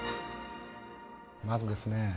まずですね